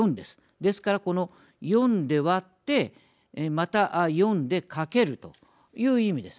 ですから、この４で割ってまた４でかけるという意味です。